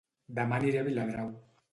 Dema aniré a Viladrau